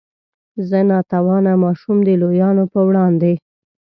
زه نا توانه ماشوم د لویانو په وړاندې.